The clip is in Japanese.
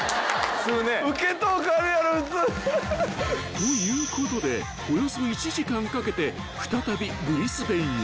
［ということでおよそ１時間かけて再びブリスベンへ］